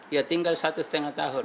ya tinggal satu setengah tahun